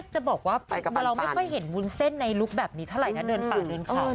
จะบอกว่าเราไม่ค่อยเห็นวุ้นเส้นในลุคแบบนี้เท่าไหร่นะเดินป่าเดินเขา